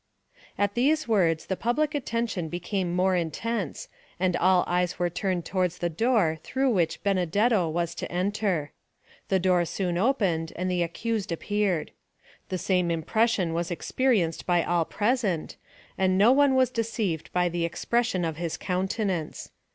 At these words the public attention became more intense, and all eyes were turned towards the door through which Benedetto was to enter. The door soon opened and the accused appeared. The same impression was experienced by all present, and no one was deceived by the expression of his countenance.